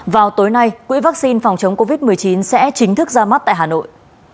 vào tối nay quỹ vaccine phòng chống covid một mươi chín sẽ chính thức ra mắt tại hà nội